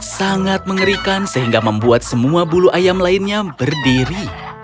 sangat mengerikan sehingga membuat semua bulu ayam lainnya berdiri